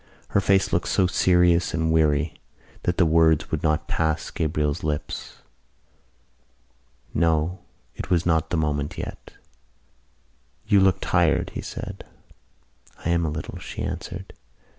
Her face looked so serious and weary that the words would not pass Gabriel's lips. No, it was not the moment yet. "You looked tired," he said. "I am a little," she answered.